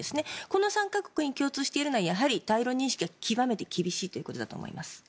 この３か国に共通していえるのは対ロ認識が極めて厳しいということだ思います。